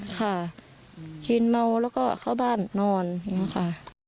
ค่ะกินเมาแล้วก็เข้าบ้านนอนอย่างนี้ค่ะ